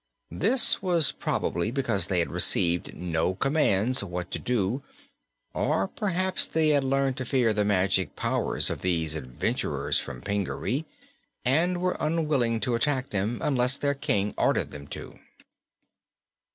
This was probably because they had received no commands what to do, or perhaps they had learned to fear the magic powers of these adventurers from Pingaree and were unwilling to attack them unless their King ordered them to.